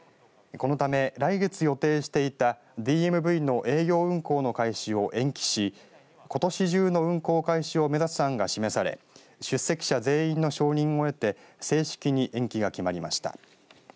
このため、来月予定していたＤＭＶの営業運行の開始を延期し、ことし中の運行開始を目指す案が示され出席者全員の承認を得て正式に延期が決まりました。